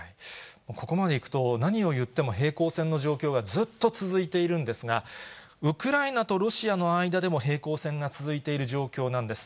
ここまでいくと、何を言っても平行線の状況がずっと続いているんですが、ウクライナとロシアの間でも平行線が続いている状況なんです。